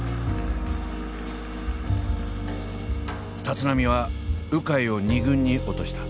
立浪は鵜飼を２軍に落とした。